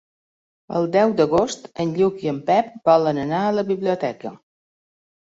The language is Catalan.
El deu d'agost en Lluc i en Pep volen anar a la biblioteca.